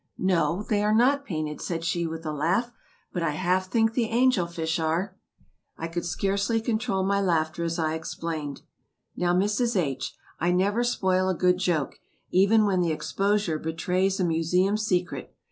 "No, they are not painted," said she, with a laugh, "but I half think the 'Angel Fish' is." I could scarcely control my laughter as I explained: "Now, Mrs. H., I never spoil a good joke, even when the exposure betrays a Museum secret.